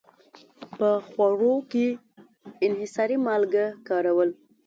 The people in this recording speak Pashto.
په خوړو کې انحصاري مالګه کارول.